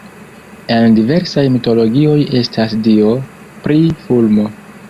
En diversaj mitologioj estas dio pri fulmo.